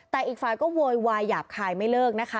แต่อีกฝ่ายก็โวยวายหยาบคายไม่เลิกนะคะ